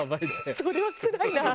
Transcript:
それはつらいな。